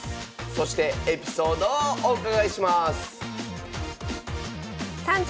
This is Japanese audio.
そしてエピソードをお伺いします